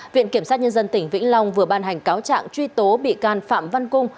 viện kiểm sát nhân dân tỉnh vĩnh long vừa ban hành cáo trạng truy tố bị can phạm văn cung